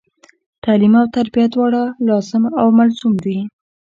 تعلم او تربیه دواړه لاظم او ملظوم دي.